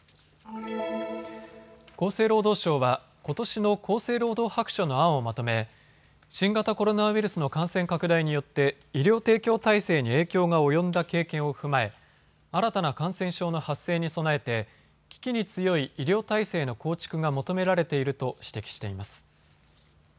厚生労働省はことしの厚生労働白書の案をまとめ新型コロナウイルスの感染拡大によって医療提供体制に影響が及んだ経験を踏まえ新たな感染症の発生に備えて危機に強い医療体制の構築が求められていると指摘しています。